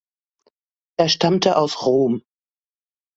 Er stammte aus Rom.